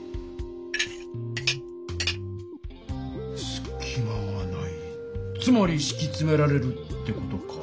すきまがないつまりしきつめられるって事か。